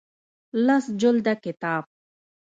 لس جلده کتاب